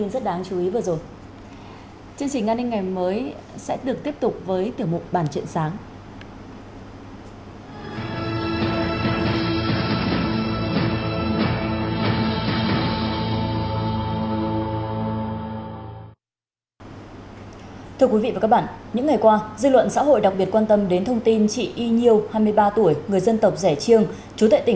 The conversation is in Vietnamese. quý vị và các bạn đã theo dõi